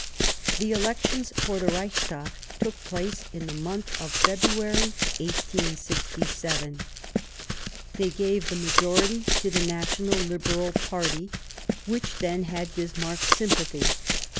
The elections for the Reichstag took place in the month of February 1867 ; they gave the majority to the National Liberal party, which then had Bismarck's sympathy.